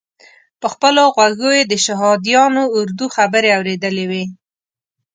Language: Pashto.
په خپلو غوږو یې د شهادیانو اردو خبرې اورېدلې وې.